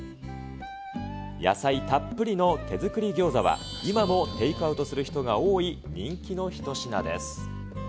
野菜たっぷりの手作りギョーザは、今もテイクアウトする人が多い人気の一品です。